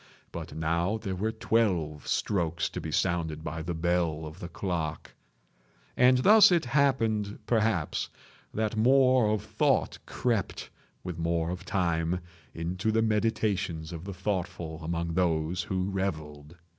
But now there were twelve strokes to be sounded by the bell of the clock; and thus it happened, perhaps, that more of thought crept, with more of time, into the meditations of the thoughtful among those who revelled.